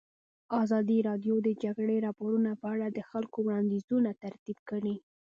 ازادي راډیو د د جګړې راپورونه په اړه د خلکو وړاندیزونه ترتیب کړي.